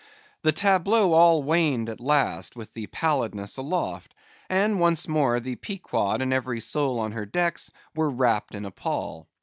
The tableau all waned at last with the pallidness aloft; and once more the Pequod and every soul on her decks were wrapped in a pall.